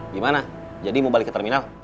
gimana jadi mau balik ke terminal